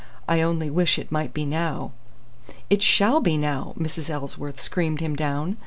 I only wish it might be now " "It shall be now!" Mrs. Ellsworth screamed him down.